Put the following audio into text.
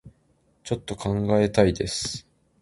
ちょっと考えたいです